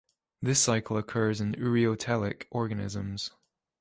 This cycle occurs in ureotelic organisms.